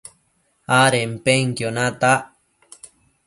adenpenquio natac